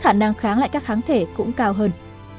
năng kháng lại các kháng thể cũng cao hơn